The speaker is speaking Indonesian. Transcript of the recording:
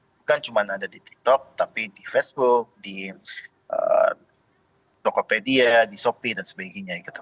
bukan cuma ada di tiktok tapi di facebook di tokopedia di shopee dan sebagainya gitu